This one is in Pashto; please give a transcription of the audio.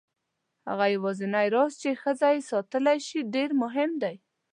هغه یوازینی راز چې ښځه یې ساتلی شي ډېر مهم دی.